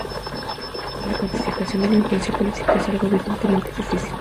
La cuantificación de la influencia política es algo evidentemente difícil.